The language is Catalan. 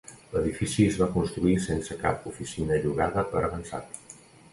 L'edifici es va construir sense cap oficina llogada per avançat.